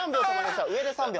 上で３秒。